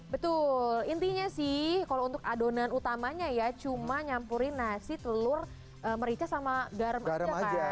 betul intinya sih kalau untuk adonan utamanya ya cuma nyampurin nasi telur merica sama garam aja kan